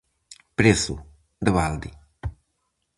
Prezo: de balde.